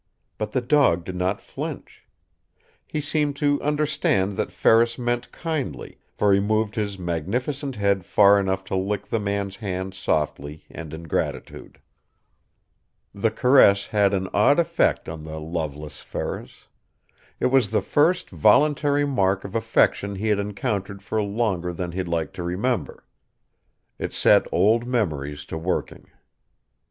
But the dog did not flinch. He seemed to understand that Ferris meant kindly, for he moved his magnificent head far enough to lick the man's hand softly and in gratitude. The caress had an odd effect on the loveless Ferris. It was the first voluntary mark of affection he had encountered for longer than he liked to remember. It set old memories to working.